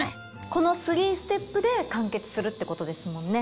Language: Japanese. この３ステップで完結するってことですもんね。